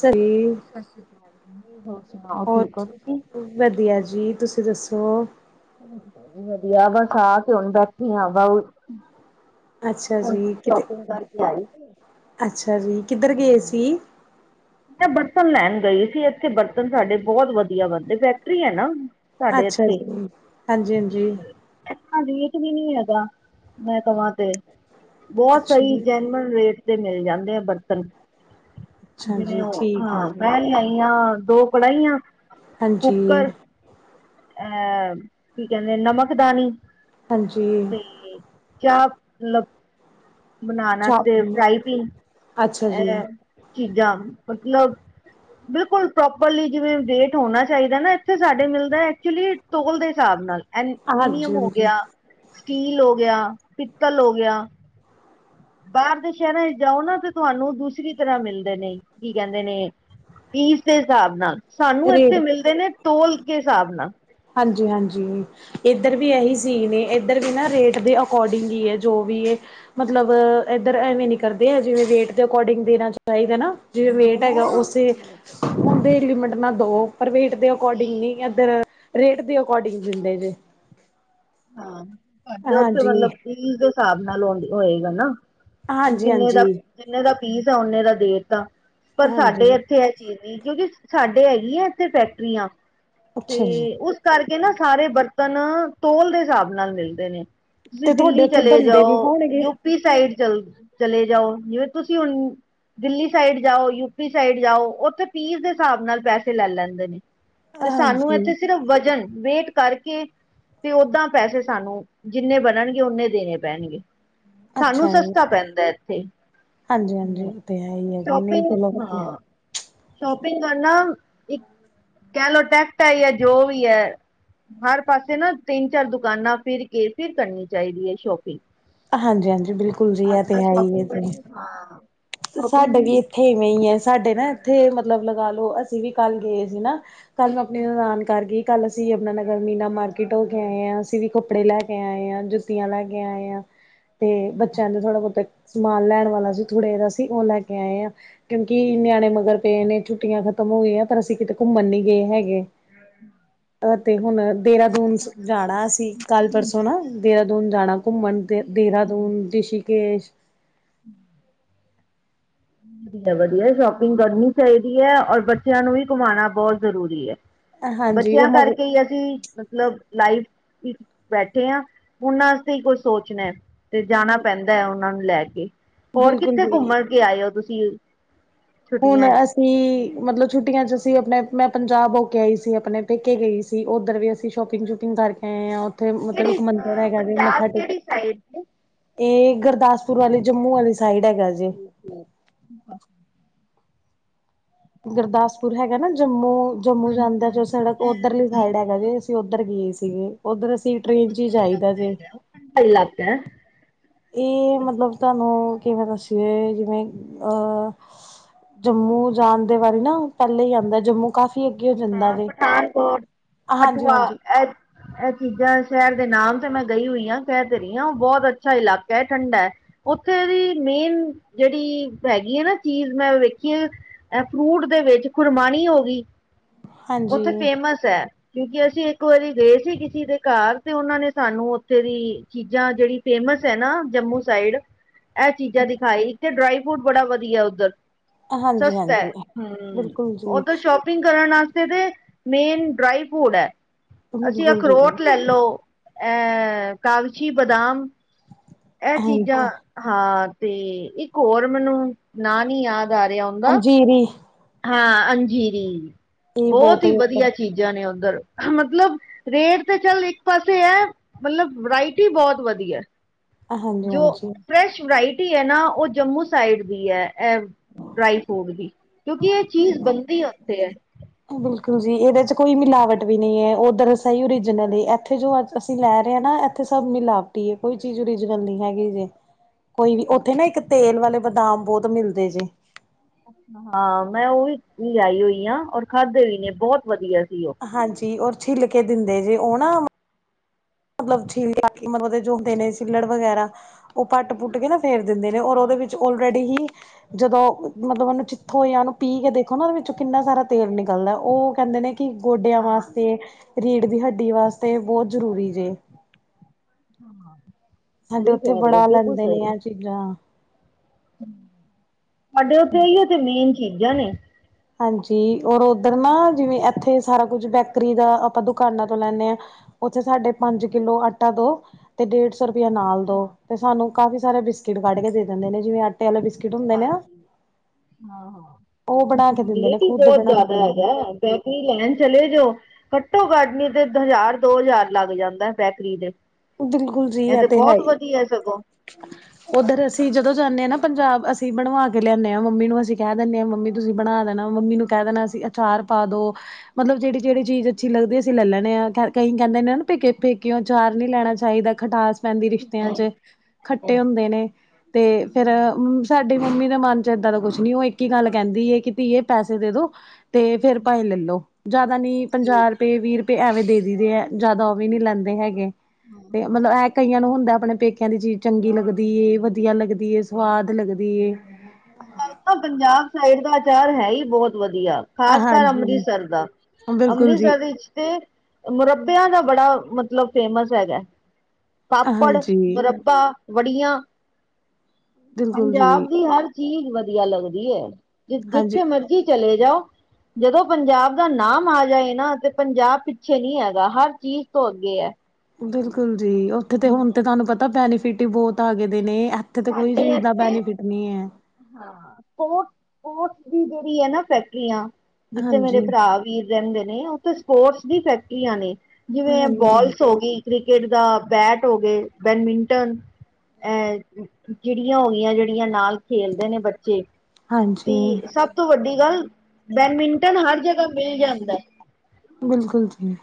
ਸਹੀ। ਸਤਿ ਸ਼੍ਰੀ ਅਕਾਲ ਹੋਰ ਸੁਣਾਓ ਹੋਰ ਠੀਕ ਹੋ ਤੁਸੀਂ? ਵਧੀਆ ਜੀ ਤੁਸੀਂ ਦੱਸੋ? ਵਧੀਆ ਅਗਰ ਸਥ ਹੁੰਦਾ ਤੀਆ ਦਾ। ਅੱਛਾ ਜੀ, ਕਿਤੇ ਕਰਕੇ ਆਈ ਅੱਛਾ ਜੀ ਕਿੱਧਰ ਗਏ ਸੀ? ਮੈ ਬਰਤਨ ਲੈਣ ਗਈ ਸੀ ਇੱਥੇ ਬਰਤਨ ਸਾਡੇ ਬਹੁਤ ਵਧੀਆ ਬਣਦੇ ਫੈਕਟਰੀ ਹੈ ਨਾ। ਸਾਡੇ ਅੱਛਾ ਜੀ ਹਾਂਜੀ ਹਾਂਜੀ। ਹਾਂਜੀ ਇਹ ਵੀ ਨੀ ਹੈਗਾ ਮੈਂ ਕਵਾਂ ਤੇ। ਬਹੁਤ ਅੱਛਾ ਸਹੀ ਜੀ ਜੈਨਉਨ ਰੇਟ ਤੇ ਮਿਲ ਜਾਂਦੇ ਆ ਬਰਤਨ। ਅੱਛਾ ਜਿਵੇਂ ਜੀ ਉਹ ਠੀਕ ਹੈ ਹਾਂ ਜੀ ਲੈ ਆਈਆਂ ਦੋ ਕੜਾਹੀਆਂ, ਹਾਂਜੀ ਕੁੱਕਰ। ਅਹ ਕੀ ਕਹਿੰਦੇ ਨਮਕਦਾਨੀ ਹਾਂਜੀ ਤੇ ਕਿਆ ਮਤਲਬ? ਬਣਾਣਾ ਤੇ ਸ਼ੋਪਿੰਗ, ਫਰਾਈ ਪੀਨ ਅੱਛਾ ਜੀ ਇਹ ਚੀਜ਼ਾਂ ਮਤਲਬ? ਬਿਲਕੁਲ ਪ੍ਰੋਪਰਲੀ ਜਿਵੇਂ ਰੇਟ ਹੋਣਾ ਚਾਹੀਦਾ ਨਾ ਇੱਥੇ ਸਾਡੇ ਮਿਲਦਾ ਐਕਚੁਲੀ ਟੋਲ ਦੇ ਹਿਸਾਬ ਨਾਲ। ਹਾਂਜੀ ਐਲਮੀਨੀਅਮ ਹੋ ਹਾਂਜੀ ਗਿਆ ਸਟੀਲ ਹੋ ਗਿਆ ਪਿੱਤਲ ਹੋ ਗਿਆ। ਬਾਹਰ ਦੇ ਸ਼ਹਿਰਾਂ ਚ ਜਾਓ ਨਾ ਤੇ ਤੁਹਾਨੂੰ ਦੂਸਰੀ ਤਰ੍ਹਾਂ ਮਿਲਦੇ ਨੇ ਕੀ ਕਹਿੰਦੇ ਨੇ? ਪੀਸ ਦੇ ਹਿਸਾਬ ਨਾਲ ਸਾਨੂੰ ਇੱਥੇ ਰੇਟ ਮਿਲਦੇ ਨੇ ਤੋਂਲ ਦੇ ਹਿਸਾਬ ਨਾਲ। ਹਾਂਜੀ ਹਾਂਜੀ ਇੱਧਰ ਵੀ ਇਹੀ ਸੀ ਨੇ। ਇੱਧਰ ਵੀ ਨਾ ਰੇਟ ਦੇ ਅਕੋਰਡਿੰਗਲੀ ਹੈ ਜੋ ਵੀ ਹੈ। ਮਤਲਬ ਇੱਧਰ ਐਵੇਂ ਨੀ ਕਰਦੇ ਆ ਜਿਵੇਂ ਵੇਟ ਦੇ ਅਕੋਰਡਿੰਗ ਦੇਣਾ ਚਾਹੀਦਾ ਨਾ ਜਿਵੇਂ ਵੇਟ ਹੈਗਾ ਉਸ? ਦੇ ਓਂਦੇ ਲਿਮਟ ਦੋ ਪਰ ਰੇਟ ਦੇ ਅਕੋਰਡਿੰਗ ਨ ਇਧਰ ਰੇਟ ਦੇ ਅਕੋਰਡਿੰਗ ਦਿੰਦੇ ਜੇ। ਹਾਂ ਸਾਡੇ ਉਥੇ ਹਾਂਜੀ, ਮਤਲਬ ਪੀਸ ਦੇ ਹਿਸਾਬ ਨਾਲ ਆ ਹੋਏਗਾ ਨਾ? ਜਿੰਨੇ ਦਾ, ਹਾਂਜੀ-ਹਾਂਜੀ। ਜਿੰਨੇ ਦਾ ਪੀਸ ਆ ਓਨੇ ਦਾ ਦੇ ਤਾ, ਪਰ ਸਾਡੇ ਹਾਂਜੀ, ਹਾਂਜੀ ਇੱਥੇ? [unintelligible] ਸਾਡੇ ਹੈਗੀ ਆ ਇੱਥੇ ਫੈਕਟਰੀਆਂ, ਤੇ ਅੱਛਾ ਜੀ ਉਸ ਕਰਕੇ ਨਾ, ਸਾਰੇ ਬਰਤਨ ਤੋਲ ਦੇ ਹਿਸਾਬ ਨਾਲ ਮਿਲਦੇ ਨੇ। ਤੁਸੀਂ ਤੇ ਤੁਹਾਡੇ ਦਿੱਲੀ ਉੱਥੇ ਚੱਲੇ ਬੰਦੇ ਵੀ ਜਾਓ, ਹੋਣਗੇ? ਯੂਪੀ ਸਾਈਡ ਚ, ਚੱਲੇ ਜਾਓ, ਜਿਵੇਂ ਤੁਸੀਂ ਹੁਣ। ਦਿੱਲੀ ਸਾਈਡ ਜਾਓ, ਯੂਪੀ ਸਾਈਡ ਜਾਓ, ਉੱਥੇ ਪੀਸ ਦੇ ਹਿਸਾਬ ਨਾਲ ਪੈਸੇ ਲੈ ਲੈਂਦੇ ਨੇ। ਤੇ ਸਾਨੂੰ ਹਾਂਜੀ, ਇੱਥੇ ਸਿਰਫ ਵਜ਼ਨ, ਵੇਟ ਕਰਕੇ। ਤੇ ਓਦਾਂ, ਪੈਸੇ ਸਾਨੂੰ, ਜਿੰਨੇ ਬਣਨਗੇ, ਓਨੇ ਦੇਣੇ ਪੈਣਗੇ। ਸਾਨੂੰ ਅੱਛਾ ਜੀ। ਸਸਤਾ ਪੈਂਦਾ ਇੱਥੇ, ਹਾਂਜੀ-ਹਾਂਜੀ ਹਾਂ ਉਹ ਤੇ ਹੈ ਹੀ ਹੈ ਜੀ ਨਹੀਂ ਚਲੋ ਸ਼ਪਿੰਗ ਵਧੀਆ। ਹਾਂ। ਸ਼ੋਪਿੰਗ ਕਰਨਾ, ਇੱਕ ਕਹਿ ਲਓ ਟੈਕਟ ਐ ਈ ਐ, ਜੋ ਵੀ ਐ, ਹਰ ਪਾਸੇ ਨਾ ਤਿੰਨ ਚਾਰ ਦੁਕਾਨਾਂ ਫਿਰ ਕੇ, ਫਿਰ ਕਰਨੀ ਚਾਹੀਦੀ ਹੈ ਸ਼ੋਪਿੰਗ। ਹਾਂਜੀ ਹਾਂਜੀ, ਬਿਲਕੁਲ ਜੀ, ਇਹ ਤੇ ਹੈ ਹੀ ਹੈ। ਹਾਂ। ਤੇ ਸਾਡੇ ਵੀ ਇੱਥੇ ਇਵੇਂ ਹੀ ਹੈ, ਸਾਡੇ ਨਾ ਇੱਥੇ, ਮਤਲਬ ਲਗਾ ਲਓ, ਅਸੀਂ ਵੀ ਕੱਲ੍ਹ ਗਏ ਸੀ ਨਾ। ਕੱਲ ਨੂੰ ਆਪਣੀ ਨਨਾਣ ਘਰ ਗੀ। ਕੱਲ ਅਸੀਂ ਯਮੁਨਾ ਨਗਰ ਮੀਨਾ ਮਾਰਕੀਟ ਹੋ ਕੇ ਆਏ ਆਂ, ਅਸੀਂ ਵੀ ਕੱਪੜੇ ਲੈ ਕੇ ਆਏ ਆਂ, ਜੁੱਤੀਆਂ ਲੈ ਕੇ ਆਏ ਆਂ। ਤੇ ਬੱਚਿਆਂ ਨੂੰ ਥੋੜ੍ਹਾ ਬਹੁਤਾ, ਸਮਾਨ ਲੈਣ ਵਾਲਾ ਸੀ, ਥੁੜੇ ਦਾ ਸੀ, ਉਹ ਲੈ ਕੇ ਆਏ ਹਾਂ। ਕਿਉਂਕਿ ਨਿਆਣੇ ਮਗਰ ਪਏ ਨੇ ਛੁੱਟੀਆਂ ਖਤਮ ਹੋ ਗਈਆਂ ਪਰ ਅਸੀਂ ਕਿਤੇ ਘੁੰਮਣ ਨੀ ਗਏ ਹੈਗੇ [inaudible] ਤੇ ਹੁਣ ਦੇਹਰਾਦੂਨ ਜਾਣਾ ਅਸੀਂ, ਕੱਲ੍ਹ ਪਰਸੋਂ ਨਾ, ਦੇਹਰਾਦੂਨ ਜਾਣਾ। ਘੁੰਮਣ ਦੇ ਦੇਹਰਾਦੂਨ, ਰਿਸ਼ਕੇਸ਼। [inaudible] ਵਧੀਐ ਸ਼ੋਪਿੰਗ ਕਰਨੀ ਚਾਹੀਦੀ ਐ ਔਰ ਬੱਚਿਆਂ ਨੂੰ ਵੀ ਘੁਮਾਉਣਾ ਬਹੁਤ ਜ਼ਰੂਰੀ ਐ। ਹਾਂਜੀ ਉਹ ਬੱਚਿਆਂ ਮਗ ਕਰਕੇ ਹੀ ਅਸੀਂ। ਮਤਲਬ, ਲਾਈਫ ਵਿੱਚ ਬੈਠੇ ਹਾਂ, ਉਹਨਾ ਵਾਸਤੇ ਹੀ ਕੁੱਝ ਸੋਚਣਾ ਏ। ਤੇ ਜਾਣਾ ਪੈਂਦਾ ਹੈ ਉਹਨਾਂ ਨੂੰ ਲੈ ਕੇ, ਹੋਰ ਬਿਲਕੁਲ ਕਿੱਥੇ ਜੀ ਘੁੰਮਣ ਕੇ ਆਏ ਹੋ ਤੁਸੀਂ। ਹੁਣ ਛੁੱਟੀਆਂ ਚ ਅਸੀਂ, ਮਤਲਬ ਛੁੱਟੀਆਂ ਚ ਅਸੀਂ ਆਪਣੇ, ਮੈਂ ਪੰਜਾਬ ਹੋ ਕੇ ਆਈ ਸੀ, ਆਪਣੇ ਪੇਕੇ ਗਈ ਸੀ ਉੱਧਰ ਵੀ ਅਸੀਂ ਸ਼ੋਪਿੰਗ ਸ਼ੂਪਿੰਗ ਕਰਕੇ ਆਏ ਹਾਂ। ਉੱਥੇ, ਮਤਲਬ ਇੱਕ ਮੰਦਿਰ ਹੈਗਾ ਜੇ ਮੱਥਾ ਟੇਕ ਇਹ ਗੁਰਦਾਸਪੁਰ ਵਾਲੀ, ਜੰਮੂ ਆਲੀ ਸਾਈਡ ਹੈਗਾ ਜੇ। [unintelligible] [inaudible] ਗੁਰਦਾਸਪੁਰ ਹੈਗਾ ਨਾ ਜੰਮੂ। ਜੰਮੂ ਜਾਂਦਾ ਜੋ ਸੜਕ, ਉੱਧਰਲੀ ਸਾਈਡ ਹੈਗਾ ਜੇ, ਅਸੀਂ ਉੱਧਰ ਗਏ ਸੀਗੇ, ਉੱਧਰ ਅਸੀਂ। ਟ੍ਰੇਨ ਚ ਹੀ ਜਾਈਦਾ ਜੇ। [unintelligible] ਇਹ ਮਤਲਬ ਤੁਹਾਨੂੰ ਕਿਵੇਂ ਦੱਸੀਏ ਜਿਵੇਂ ਅਹ। ਜੰਮੂ ਜਾਣ ਦੇ ਵੱਲ ਨਾ, ਪਹਿਲੇ ਹੀ ਆਉਂਦਾ ਜੰਮੂ। ਕਾਫੀ ਅੱਗੇ ਜ। [unintelligible] ਪਠਾਨਕੋਟ, ਕਠੂਆ, ਹਾਂਜੀ [unintelligible] ਇਹ ਚੀਜ਼ਾਂ ਸ਼ਹਿਰ ਦੇ ਨਾਮ ਤੇ ਮੈਂ ਗਈ ਹੋਈ ਆਂ ਕਹਿ ਤੇ ਰਹੀ ਹਾਂ, ਉਹ ਬਹੁਤ ਅੱਛਾ ਇਲਾਕਾ ਐ ਠੰਡਾ ਐ। ਉੱਥੇ ਦੀ ਮੇਨ ਜਿਹੜੀ, ਹੈਗੀ ਹੈ ਨਾ ਚੀਜ਼ ਮੈਂ ਵੇਖੀ ਏ। ਇਹ ਫਰੂਟ ਦੇ ਵਿੱਚ ਖੁਰਮਾਣੀ ਹੋ ਗਈ, ਉੱਥੇ ਹਾਂਜੀ ਫੇਮਸ ਐ। ਕਿਉਂਕਿ ਅਸੀਂ ਇੱਕ ਵਾਰੀ ਗਏ ਸੀ ਕਿਸੇ ਦੇ ਘਰ ਤੇ ਉਹਨਾਂ ਨੇ ਸਾਨੂੰ ਉੱਥੇ ਦੀ, ਚੀਜ਼ਾਂ ਜਿਹੜੀ। ਫੇਮਸ ਹੈ ਨਾ ਜੰਮੂ ਸਾਈਡ। ਇਹ ਚੀਜ਼ਾਂ ਦਿਖਾਈ, ਇੱਕ ਤੇ ਡਰਾਈ ਫਰੂਟ ਬੜਾ ਵਧੀਆ ਉੱਧਰ। ਹਾਂਜੀ ਸਸਤਾ ਹੈ, ਹਾਂਜੀ ਹੂੰ ਬਿਲਕੁਲ ਜੀ ਉਧਰ ਸ਼ੋਪ। ਸ਼ਪਿੰਗ ਕਰਨ ਆਸਤੇ ਤੇ, ਮੇਨ ਡਰਾਈ ਫੂਟ ਐ ਅਸੀਂ ਬਿਲਕੁਲ ਜੀ ਅਖਰੋਟ ਲੈ ਲੋ। ਐਹ ਕਾਗਚੀ ਬਾਦਾਮ। ਇਹ ਚੀਜ਼ਾਂ, ਹਾਂਜੀ ਹਾਂ, ਤੇ ਇੱਕ ਹੋਰ ਮੈਨੂੰ, ਨਾਂ ਨੀ ਯਾਦ ਆ ਰਿਹਾ। ਉਹਦਾ ਅੰਜੀਰੀ ਵੀ। ਹਾਂ, ਅੰਜੀਰੀ ਇਹ ਬੋਤ ਬਹੁਤ ਹੈ ਈ ਉੱਧਰ ਵਧੀਆ ਚੀਜ਼। ਜਾ ਨੇ ਓਧਰ ਮਤਲਬ ਰੇਟ ਤੇ ਚੱਲ ਇੱਕ ਪਾਸੇ ਹੈ ਮਤਲਬ ਵਰਾਇਟੀ ਬੋਤ ਵਧੀਆ ਹਾਂਜੀ ਜੋ ਹਾਂਜੀ ਫਰੈਸ਼ ਵਰਾਇਟੀ। ਹੈ ਨਾ ਉਹ ਜੰਮੂ ਸਾਈਡ ਦੀ ਹੈ ਇਹ ਡਰਾਈ ਫਰੂਟ ਦੀ। ਕਿਉਂਕਿ ਏ ਚੀਜ਼ ਬਣਦੀ ਉੱਥੇ ਐ। ਬਿਲਕੁਲ ਜੀ ਇਹਦੇ ਚ ਕੋਈ ਮਿਲਾਵਟ ਵੀ ਨਹੀਂ ਹੈ ਉਓਧਰਸਾਈ ਓਰੀਜਨਲ ਇੱਥੇ ਜੋ ਅੱਜ। ਅਸੀਂ ਲੈ ਰੇ ਅਤਨਾ ਇੱਥੇ ਸਭ ਮਿਲਾਵਟੀ ਐ ਕੋਈ ਚੀਜ਼ ਓਰੀਜਨਲ ਨੀ ਹੈਗੀ ਜੀ। ਕੋਈ ਵੀ ਉੱਥੇ ਨਾ ਇੱਕ ਤੇਲ ਵਾਲੇ ਬਦਾਮ ਬਹੁਤ ਮਿਲਦੇ ਜੇ। ਹਾਂ ਮੈਂ ਉਹ ਵੀ ਵੀ ਆਈ ਹੋਈ ਹ ਔਰ ਖਾਧੇ ਵੀ ਨੇ ਬਹੁਤ ਵਧੀਆ ਸੀ ਉਹ। ਹਾਂਜੀ ਉਹ ਛਿੱਲ ਕੇ ਦਿੰਦੇ ਜੇ ਉਹ ਨਾ। ਮਤਲਬ [unintelligible] ਜੋ ਹੁੰਦੇ ਨੇ ਸਿੱਲੜ ਵਗੈਰਾ ਉਹ ਪੱਟ ਪੁੱਟ ਕੇ ਨਾ। ਫੇਰ ਦਿੰਦੇ ਨੇ ਔਰ ਉਹਦੇ ਵਿੱਚ ਓਲਰੇਡੀ ਹੀ। ਜਦੋਂ ਮਤਲਬ ਉਹਨੂੰ ਚਿੱਥੋਂ ਜਾਂ ਉਹਨੂੰ ਪੀ ਕੇ ਦੇਖੋ ਨਾ ਉਹਦੇ ਵਿੱਚੋਂ ਕਿੰਨਾ ਸਾਰਾ ਤੇਲ ਨਿਕਲਦਾ ਉਹ ਕਹਿੰਦੇ ਨੇ। ਕਿ ਗੋਡੇਆਂ ਵਾਸਤੇ, ਰੀੜ ਦੀ ਹੱਡੀ ਵਾਸਤੇ ਬੋਹਤ ਜਰੂਰੀ ਜੇ। [inaudible] ਸਾਡੇ ਸਹੀ ਓਥੇ ਕਹਿ ਰਹੇ ਹੋ ਬੜਾ ਬਿਲਕੁਲ ਲੈਂਦੇ ਨੇ ਸਹੀ। ਆ ਚੀਜ਼ਾਂ। ਸਾਡੇ ਉੱਥੇ ਇਹੀ ਉਥੇ ਮੇਨ ਚੀਜ਼ਾਂ ਨੇ। ਹਾਂਜੀ ਔਰ ਉੱਧਰ ਨਾ ਜਿਵੇਂ ਇੱਥੇ ਸਾਰਾ ਕੁਝ ਬੇਕਰੀ ਦਾ ਆਪਾਂ ਦੁਕਾਨਾਂ ਤੋਂ ਲੈਦੇ ਹਾਂ। ਉਓਥੇ ਸਾਡੇ ਪੰਜ ਕਿਲੋ ਆਟਾ ਦੋ ਤੇ ਡੇਢ ਸੌ ਰੁਪਇਆ ਨਾਲ ਦੋ ਤੇ ਸਾਨੂੰ ਕਾਫੀ ਸਾਰੇ ਬਿਸਕਿਟ ਕੱਢ ਕੇ ਦੇ ਦਿੰਦੇ ਨੇ ਜਿਵੇਂਟੇ ਬਿਸ ਹਾਂ ਉਹ ਹਾਂ ਬਣਾ ਕੇ ਦਿੰਦੇ ਨੇ ਵੇਟ ਹੀ ਖੁਦ ਬਹੁਤ ਬਣਾਉਂਦੇ ਜਿਆਦਾ ਨੇ ਹੈਗੈ। ਬੈਕਰੀ ਲਾਈਨ ਚਲੇ ਜਾਓ। ਘੱਟੋ ਘੱਟ ਨੀ ਤੇ ਹਜ਼ਾਰ ਦੋ ਹਜ਼ਾਰ ਲੱਗ ਜਾਂਦਾ ਬੈਕਰੀ ਦੇ। ਬਿਲਕੁਲ ਜੀ ਇਹ ਤੇ ਹੈ ਬਹੁਤ ਹੀ। ਵਧੀਆ ਸਗੋਂ। ਓਧਰ ਅਸੀਂ ਜਦੋਂ ਜਾਂਣੇ ਆਂ ਨਾ ਪੰਜਾਬ ਅਸੀਂ ਬਣਵਾ ਕੇ ਲੇਆਣੇ ਆਂ ਮੰਮੀ ਨੂੰ ਅਸੀਂ ਕੇਹ ਦੇਣੇ ਆਂ ਮੰਮੀ ਤੁਸੀਂ ਬਣਾ ਦੇਣਾ ਮੰਮੀ ਨੂੰ ਕੈ ਦੇਣਾ ਅਸੀਂ ਅਚਾਰ ਪਾ ਦੋ ਮਤਲਬ ਜੇੜੀ, ਜੇੜੀ ਚੀਜ ਅੱਛੀ ਲੱਗਦੀ ਅਸੀਂ ਲਲ ਲੈਣੇ ਆ ਕਈ ਕੈਂਦੇ ਨੇ ਨਾ ਪੇਕੇ, ਪੇਕੋਯੋ ਅਚਾਰ ਨਈ ਲੈਣਾ ਚਾਹੀਦਾ, ਖਟਾਸ ਪੈਂਦੀ ਰਿਸ਼ਤਿਆਂ ਚ, ਖੱਟੇ ਹੁੰਦੇ ਨੇ ਤੇ ਫੇਰ ਮ ਸਾਡੀ ਮੰਮੀ ਦੇ ਮਨ ਚ ਏਦਾਂ ਦਾ ਕੁਛ ਨੀ, ਓ ਇੱਕ ਈ ਗੱਲ ਕੈਂਦੀ ਏ ਕਿ ਧੀਏ ਪੈਸੇ ਦੇ ਦੋ ਤੇ ਫੇਰ ਪਾਏ ਲਲੋ। ਜਾਦਾ ਨੀ ਪੰਜਾ ਰੁਪਏ, ਵੀਰ ਰੁਪਏ, ਐਵੇਂ ਦੇ ਦਈ ਦੇ ਐ ਜਾਦਾ ਓ ਵੀ ਨੀ ਲੈਂਦੇ ਹੈਗੇ। ਤੇ ਮਲਬ ਏਹ ਕਈਆਂ ਨੂੰ ਹੁੰਦਾ ਆਪਣੇ ਪੇਕਿਆਂ ਦੀ ਚੀਜ਼ ਚੰਗੀ ਲੱਗਦੀ ਏ, ਵਧੀਆ ਲੱਗਦੀ ਏ, ਸਵਾਦ ਲੱਗਦੀ ਏ। ਪੰਜਾਬ ਸਾਈਡ ਦਾ ਆਚਾਰ ਹੈ ਹੀ ਬਹੁਤ ਵਧੀਆ। ਖਾਸ ਕਰ ਹਾਂਜੀ, ਅੰਮ੍ਰਿਸਰ ਦਾ, ਬਿਲਕੁਲ ਜੀ, ਅੰਮ੍ਰਿਸਰ ਇੱਚ ਤੇ ਮੁਰੱਬਿਆਂ ਦਾ ਬੜਾ ਮਤਲਬ ਫੇਮਸ ਹੈਗਾ। ਪਾਪੜ, ਹਾਂਜੀ, ਬੂਰੱਬਾ, ਵੜੀਆਂ ਬਿਲਕੁਲ ਪੰਜਾਬ ਜੀ। ਦੀ ਹਰ ਚੀਜ਼ ਵਧੀਆ ਲੱਗਦੀ ਹੈ ਜ ਹਾਂਜੀ, ਜਿੱਥੇ ਮਰਜ਼ੀ ਚਲੇ ਜਾਓ ਜਦੋਂ ਪੰਜਾਬ ਦਾ ਨਾਮ ਆ ਜਾਏ ਨਾ ਤੇ ਪੰਜਾਬ ਪਿੱਛੇ ਨਹੀਂੀ ਹੈਗਾ ਹਰ ਚੀਜ਼ ਤੋਂ ਅੱਗੇ ਹੈ। ਬਿਲਕੁਲ ਜੀ ਉੱਥੇ ਤੇ ਹੁਣ ਤੇ ਤੁਹਾਨੂੰ ਪਤਾ ਬੈਨੀਫਿਟ ਹੀ ਬਹੁਤ ਆ ਗਏ ਦੇ ਨੇ। ਏਥੇ ਤੇ ਕੋਈ ਚੀਜ਼ ਦਾ ਬੈਨੀਫਿਟ ਨਹੀਂ ਏ। ਹਾਂ ਸੋਟੋਟ ਦੀ ਜਿਹੜੀ ਆ ਨਾ ਫੈਕਟਰੀਆਂ ਜਿੱਥੇ ਮੇਰੇ ਹਾਂਜੀ। ਭਰਾ ਵੀਰ ਰਹਿੰਦੇ ਨੇ ਉੱਥੇ ਸਪੋਰਟਸ ਦੀ ਫੈਕਟਰੀਆਂ ਨੇ ਜਿਵੇਂ ਹਾਂਜੀ, ਬੋਲਸ ਹੋ ਗਈ। ਕ੍ਰਿਕਟ ਦਾ ਬੈਟ ਹੋ ਗਏ ਬੈਡਮਿੰਟਨ ਅ। ਚਿੜੀਆਂ ਹੋ ਗਈਆਂ ਜਿਹੜੀਆਂ ਨਾਲ ਖੇਲਦੇ ਨੇ ਬੱਚੇ ਹਾਂਜੀ, ਤੇ ਸਭ ਤੋਂ ਵੱਡੀ ਗੱਲ ਬੈਡਮਿੰਟਨ ਹਰ ਜਗ੍ਹਾ ਮਿਲ ਜਾਂਦੈ। ਬਿਲਕੁਲ ਜੀ।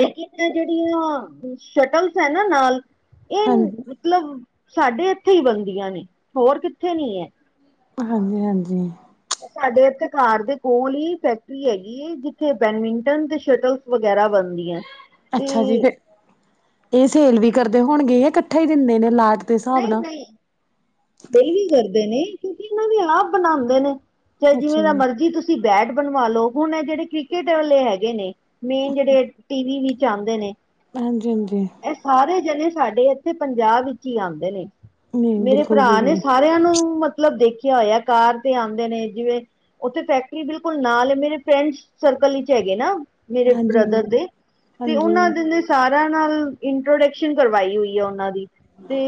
ਲਕਿ ਜਿਹੜੀਆਂ ਸ਼ਟਲਸ ਹੈ ਨਾ ਨਾਲ ਇਹ ਹਾਂਜੀ। ਮਤਲਬ ਸਾਡੇ ਇੱਥੇ ਹੀ ਬਣਦੀਆਂ ਨੇ ਹੋਰ ਕਿੱਥੇ ਨੀ ਹੈ। ਹਾਂਜੀ, ਹਾਂਜੀ। ਸਾਡੇ ਇੱਥੇ ਘਾਰ ਦੇ ਕੋਲ ਹੀ ਫੈਕਟਰੀ ਹੈਗੀ ਏ ਜਿੱਥੇ ਬੈਡਮਿੰਟਨ ਤੇ ਸ਼ਟਲ ਵਗੈਰਾ ਬਨ ਅੱਛਾ ਜੀ, ਫੇ ਏਹ ਸੇਲ ਵੀ ਕਰਦੇ ਹੋਣਗੇ ਯਾ ਕੱਠਾ ਹੀ ਦਿੰਦੇ ਨੇ ਲਾਟ ਦੇ ਹਿਸਾਬ ਨਈ, ਨਾਲ, ਨਈ, [unintelligible] ਕਰਦੇ ਨੇ ਕਿਯੂਕਿ ਏਨਾਂ ਵੀ ਆਪ ਬਣਾਂਦੇ ਨੇ। ਚਾਹੇ ਅੱਛਾ ਜਿਵੇਂ ਦਾ ਜੀ, ਮਰਜੀ ਤੁਸੀ ਬੈਟ ਬਨਵਾ ਲਓ। ਹੁਨ ਏਹ ਜੇੜੇ ਕ੍ਰਿਕਟ ਵਾਲੇ ਹੈਗੇ ਨੇ। ਮੇਨ ਜੇੜੇ ਟੀਵੀ ਵਿੱਚ ਆਂਦੇ ਨੇ ਹਾਂਜੀ, ਹਾਂਜੀ। ਏਹ ਸਾਰੇ ਜਨੇ ਸਾਡੇ ਏਥੇ ਪੰਜਾਬ ਵਿੱਚ ਹੀ ਆਂਦੇ ਨੇ। ਨਹੀਂ ਮੇਰੇ ਬਿਲਕੁਲ ਜੀ ਭਰਾ ਨੇ ਸਾਰੇਆਂ ਨੂੰ ਮਤਲਬ ਦੇਖਿਆ ਹੋਇਆ ਕਾਰ ਤੇ ਆਂਦੇ ਨੇ ਜਿਵੇ ਓਥੇ ਫੈਕਟਰੀ ਬਿਲਕੁਲ ਨਾਲ ਏ। ਮੇਰੇ ਫਰੈਂਡ ਸਰਕਲ ਵਿਚ ਹੈਗੇ ਨਾ। ਮੇਰੇ ਹਾਂਜੀ ਬ੍ਰਦਰ ਦੇ ਹਾਂਜੀ ਤੇ ਹਾਂਜੀ ਓਨਾਂ ਦੇ ਸਾਰਾ ਨਾਲ ਇੰਟਰੋਡਕਸ਼ਨ ਕਰਵਾਈ ਹੋਈ ਆ ਓਨਾਂ ਦੀ ਤੇ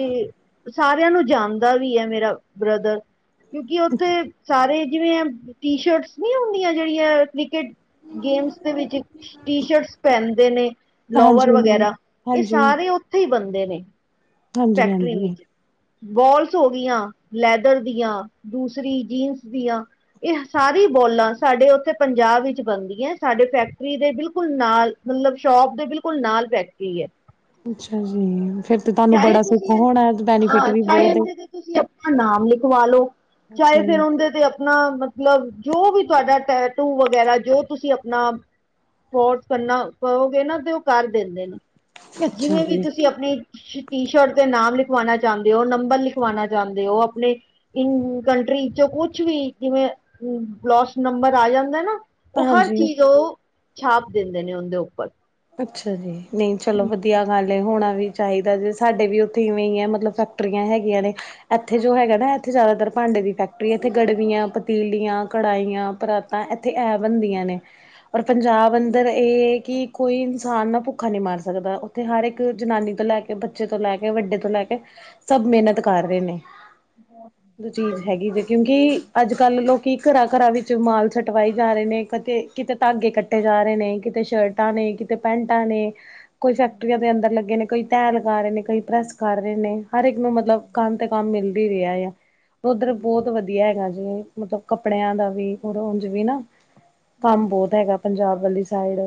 ਸਾਰੇਆਂ ਨੂੰ ਜਾਨਦਾ ਵੀ ਐ ਮੇਰਾ ਬ੍ਰਦਰ ਕੇਉਂਕਿ ਓਥੇ ਸਾਰੇ ਜਿਵੇਂ ਟੀ ਸ਼ਰਟਸ ਨੀ ਹੁੰਦੀਆਂ ਜਿਹੜੀਆਂ ਕ੍ਰਿਕਟ ਗੇਮਸ ਦੇ ਵਿੱਚ ਟੀ ਸ਼ਰਟਸ ਪੈਨਦੇ ਨੇ, ਹਾਂਜੀ ਲੋਵਰ ਵਗੈਰਾ ਇਹ ਹਾਂਜੀ ਸਾਰੇ ਓਥੇ ਹੀ ਬੰਦੇ ਨੇ ਹਾਂਜੀ ਫੈਕਟਰੀ ਹਾਂਜੀ ਵਿੱਚ। ਬੋਲਸ ਹੋ ਗਈਆਂ, ਲੈਦਰ ਦੀਆਂ, ਦੂਸਰੀ ਜੀਨਸ ਦੀਆਂ ਏਹ ਸਾਰੀ ਬੋਲਾਂ ਸਾਡੇ ਓਥੇ ਪੰਜਾਬ ਵਿੱਚ ਬਨਦੀਆ। ਸਾਡੇ ਫੈਕਟਰੀ ਦੇ ਬਿਲਕੁਲ ਨਾਲ ਮਤਲਬ ਸ਼ੋਪ ਦੇ ਬਿਲਕੁਲ ਨਾਲ ਫੈਕਟਰੀ ਐ। ਅੱਛਾ ਜੀ ਫੇਰ ਤੇ ਤੁਹਾਨੂੰ ਚਾਏ ਬੜਾ ਸੁੱਖ ਤੁਸੀ, ਹੋਣਾ ਬੈਨੀਫਿਟ ਹਾਂ ਵੀ ਚਾਏ ਬਹੁਤ ਏ ਏਂਦੇ ਤੇ ਤੁਸੀ ਅਪਨਾ ਨਾਮ ਲਿਖਵਾ ਲਓ। ਅੱਛਾ ਚਾਹੇ ਫੇਰ ਜੀ ਓਂਦੇ ਤੇ ਆਪਣਾ ਮਤਲਬ, ਜੋ ਵੀ ਤੁਹਾਡਾ ਟੈ ਟੂ ਵਗੈਰਾ ਜੋ ਤੁਸੀਂ ਅਪਣਾ ਫੋਰਸ ਕਰਨਾ, ਕਹੋਗੇ ਨਾ ਤੇ ਓ ਕਰ ਦਿੰਦੇ ਨੇ। ਅੱਛਾ ਜਿਵੇ ਵੀ ਜੀ ਤੁਸੀ ਅਪਣੀ ਟੀ ਸ਼ਰਟ ਤੇ ਨਾਮ ਲਿਖਵਾਨਾ ਚਾਂਦੇ ਓ, ਨੰਬਰ ਲਿਖਵਾਨਾ ਚਾਂਦੇ ਓ, ਆਪਨੇ ਇ ਕੰਟਰੀ ਚੋਂ ਕੁਛ ਵੀ ਜਿਵੇਂ ਲੋਸ ਨੰਬਰ ਆ ਜਾਂਦਾ ਨਾ ਉਹ ਹਰ ਹਾਂਜੀ ਚੀਜ਼ ਉਹ ਛਾਪ ਦਿੰਦੇ ਨੇ ਉਹਦੇ ਉਪਰ ਅਛਾ ਜੀ ਨਹੀ ਚਲੋ ਵਧੀਆ ਵਾਲੇ ਹੋਣਾ ਵੀ ਚਾਹੀਦਾ ਜੇ ਸਾਡੇ ਵੀ ਉਥੇ ਇਵੇਂ ਹੀ ਹੈ। ਮਤਲਬ ਫੈਕਟਰੀਆਂ ਹੈਗੀਆਂ ਨੇ ਇਥੇ ਜੋ ਹੈਗਾ ਨਾ ਇਥੇ ਜ਼ਿਆਦਾਤਰ ਭਾਂਡੇ ਦੀ ਫੈਕਟਰੀ ਇਥੇ ਗੜਵੀਆਂ ਪਤੀਲੀਆਂ ਕੜਾਈਆਂ ਪਰਾਤਾ ਤਾਂ ਇਥੇ ਐ ਬਣਦੀਆਂ ਨੇ ਪਰਰ ਪੰਜਾਬ ਅੰਦਰ ਇਹ ਕਿ ਕੋਈ ਇ ਖਾਨ ਨੂੰ ਭੁੱਖਾ ਨਹੀਂ ਮਰ ਸਕਦਾ ਉਥੇ ਹਰ ਇਕ ਜਨਾਨੀ ਤੋਂ ਲੈ ਕੇ ਬੱਚੇ ਤੋਂ ਲੈ ਕੇ ਵੱਡੇ ਤੋਂ ਲੈ ਕੇ ਸਭ ਮਿਹਨਤ ਕਰ ਰਹੇ ਨੇ ਹਾਂ [inaudible] ਚੀਜ਼ ਹੈਗੀ ਜੇ ਕਿਉਕਿ ਅਜ ਕਲ ਲੋਕੀ ਘਰਾਂ- ਘਰਾਂ ਵਿਚ ਮਾਲ ਸਛਟਵਾਏ ਜਾ ਰਹੇ ਨੇ ਕਦੇ ਕਿਤੇ ਧਾਗੇ ਕਟੇ ਜਾ ਰਹੇ ਨੇ ਕਿਤੇ ਸ਼ਰਟਾਂ ਨੇ ਕਿਤੇ ਪੈਂਟਾਂ ਨੇ ਕੋਈ ਫੈਕਟਰੀਆਂ ਦੇ ਅੰਦਰ ਲੱਗੇ ਨੇ ਕਈ ਤੈ ਲਗਾ ਰਹੇ ਨੇ ਕਈ ਪ੍ਰੈੱਸ ਕਰ ਰਹੇ ਨੇ ਹਰ ਇਕ ਨੂੰ ਮਤਲਬ ਕਮ ਤੇ ਕੰਮ ਮਿਲ ਵੀ ਰਿਯਾ ਆ। ਓਧਰ ਬੋਤ ਵ ਦੀਆ ਹੈਗਾ ਜੇ, ਮਤਲਬ ਕੱਪੜੇਆਂ ਦਾ ਵੀ, ਉਂਝ ਵੀ ਨਾ ਕੰਮ ਬੋਤ ਹੈਗਾ ਪੰਜਾਬ ਵਾਲੀ ਸਾਈਡ।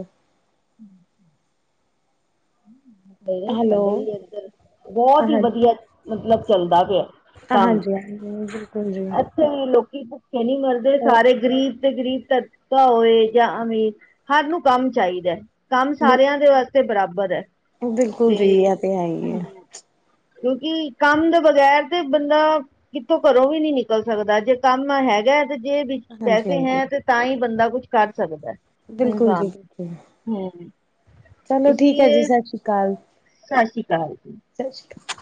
[unintelligible] ਹੈਲੋ ਬਹੁਤ ਹਾਂ ਈ ਵਧੀਆ ਮਤਲਬ ਚੱਲਦਾ ਪੇਆ। ਹਾਂਜੀ, ਹਾਂਜੀ, ਬਿਲਕੁਲ ਜੀ। ਲੋਕੀ ਭੁੱਖੇ ਨੀ ਮਰਦੇ, ਸਾਰੇ ਗਰੀਬ ਤੇ ਗਰੀਬ ਤਤਕਾ ਹੋਏ ਜਾ ਅਮੀਰ, ਹਰ ਨੂੰ ਕੰਮ ਚਾਈਦਾ। ਕੰਮ ਸਾਰੇਆ ਦੇ ਵਾਸਤੇ ਬਰਾਬਰ ਐ। ਬਿਲਕੁਲ ਜੀ, ਐ ਤੇ ਹੈ ਹੀ ਏ। ਕੇਉਂਕਿ ਕੰਮ ਦੇ ਬਗੈਰ ਤੇ ਬੰਦਾ ਕਿੱਥੋ ਘਰੋਂ ਵੀ ਨੀ ਨਿਕਲ ਸਕਦਾ, ਜੇ ਕੰਮ ਹੈਗਾ ਤੇ ਜੇਬ ਚ ਹਾਂਜੀ ਪੈਸੇ ਹਾਂਜੀ ਹੈ ਤੇ ਤਾਂ ਹੀ ਬੰਦਾ ਕੁਛ ਕਰ ਸਕਦਾ ਬਿਲਕੁਲ ਜੀ ਇਨਸਾਨ। ਬਿਲਕੁਲ ਹੂੰ, ਚਲੋ ਇਸ ਠੀਕ ਹੈ ਜੀ ਲਿਏ ਸਤਿ ਸ਼੍ਰੀ ਅਕਾਲ ਸਤਿ ਸ਼੍ਰੀ ਅਕਾਲ ਜੀ ਸਤਿ ਸ਼੍ਰੀ ਅਕਾਲ